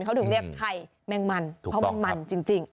เขาถึงเรียกไข่แมงมันเพราะมันจริง